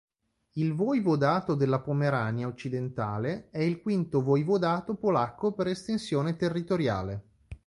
Il voivodato della Pomerania Occidentale è il quinto voivodato polacco per estensione territoriale.